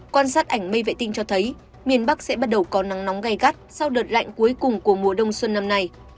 quan sát ảnh mây vệ tinh cho thấy miền bắc sẽ bắt đầu có nắng nóng gai gắt sau đợt lạnh cuối cùng của mùa đông xuân năm nay